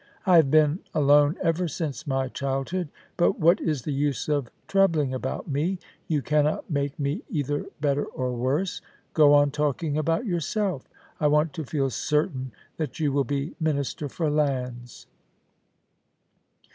I have been alone ever since my childhood. But what is the use of troubling about me ? You cannot make me either better or worse. Go on talking about yourself. I want to feel certain that you will be Minister for Lands.'